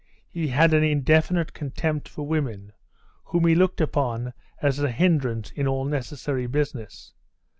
He had an indefinite contempt for women, whom he looked upon as a hindrance in all necessary business.